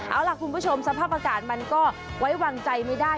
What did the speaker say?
เอาล่ะคุณผู้ชมสภาพอากาศมันก็ไว้วางใจไม่ได้